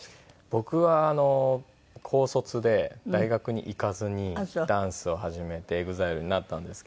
僕は高卒で大学に行かずにダンスを始めてＥＸＩＬＥになったんですけど。